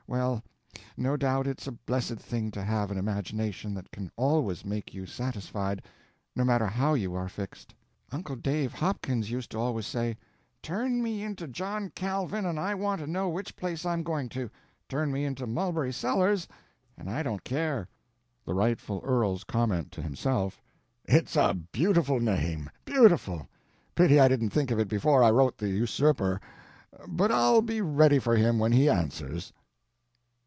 Well, no doubt it's a blessed thing to have an imagination that can always make you satisfied, no matter how you are fixed. Uncle Dave Hopkins used to always say, 'Turn me into John Calvin, and I want to know which place I'm going to; turn me into Mulberry Sellers and I don't care.'" The rightful earl's comment—to himself: "It's a beautiful name, beautiful. Pity I didn't think of it before I wrote the usurper. But I'll be ready for him when he answers."